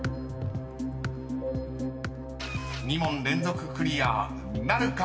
［２問連続クリアなるかどうか］